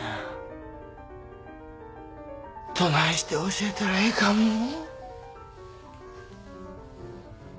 どないして教えたらええかもう。